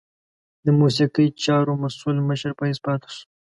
د موسیقي چارو مسؤل مشر په حیث پاته شو.